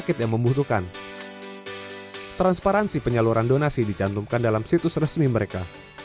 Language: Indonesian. sakit yang membutuhkan transparansi penyaluran donasi dicantumkan dalam situs resmi mereka